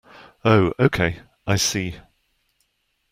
Oh okay, I see.